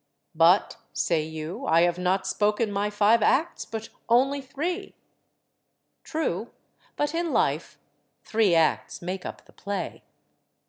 "But," say you, "I have not spoken my five acts, but only three." True, but in life three acts make up the play.